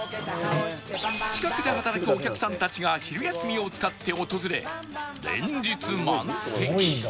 近くで働くお客さんたちが昼休みを使って訪れ連日満席